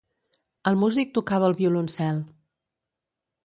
El músic tocava el violoncel.